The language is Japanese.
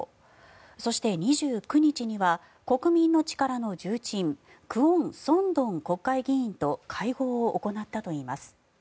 そして、２９日には国民の力の重鎮クォン・ソンドン国会議員と会合を行ったといいます。